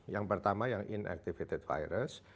yang pertama yang inactivated virus